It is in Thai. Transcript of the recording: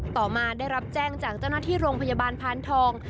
ต่อมาได้รับแจ้งจากเจ้าหน้าที่โรงพยาบาลพานทอง